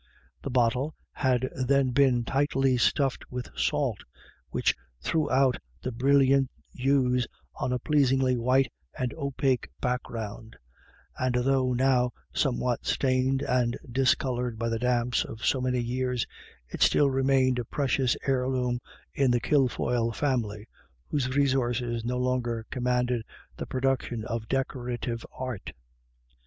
The bottle had then been tightly stuffed with salt, which threw out the brilliant hues on a pleasingly white and opaque background ; and though now some what stained and discoloured by the damps of so many years, it still remained a precious heirloom in the Kilfoyle family, whose resources no longer commanded the productions of decorative art.